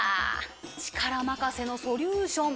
力任せのソリューション！